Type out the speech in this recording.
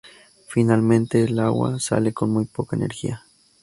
Finalmente el agua sale con muy poca energía.